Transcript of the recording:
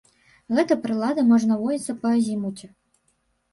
Гэта прылада можа наводзіцца па азімуце.